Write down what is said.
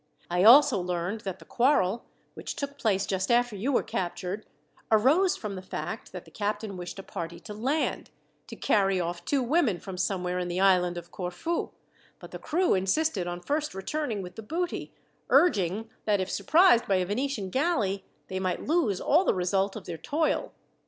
I also learned that the quarrel, which took place just after you were captured, arose from the fact that the captain wished a party to land, to carry off two women from somewhere in the island of Corfu; but the crew insisted on first returning with the booty, urging, that if surprised by a Venetian galley, they might lose all the result of their toil.